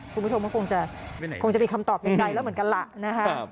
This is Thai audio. คุณผู้ชมก็คงจะมีคำตอบในใจแล้วเหมือนกัน